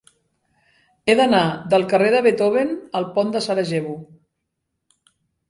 He d'anar del carrer de Beethoven al pont de Sarajevo.